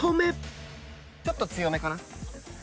ちょっと強めかな。